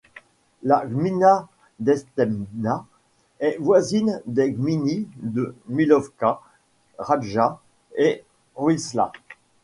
La gmina d'Istebna est voisine des gminy de Milówka, Rajcza et Wisła.